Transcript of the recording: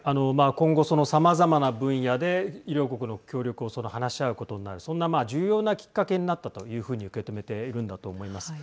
今後さまざまな分野で両国の協力を話し合うことになるそんな重要なきっかけになったというふうに受け止めているんだと思います。